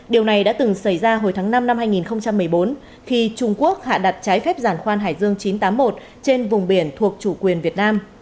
điều này đã từng xảy ra hồi tháng năm năm hai nghìn một mươi bốn khi trung quốc hạ đặt trái phép giàn khoan hải dương chín trăm tám mươi một trên vùng biển thuộc chủ quyền việt nam